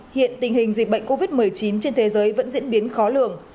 hiện tình hình dịch bệnh covid một mươi chín trên thế giới vẫn diễn biến khó lường